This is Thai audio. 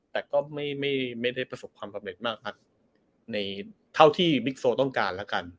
แต่ก็ไม่ได้ประสบความสำเร็จมากนักเท่าที่บิ๊กโซต้องการแล้วกัน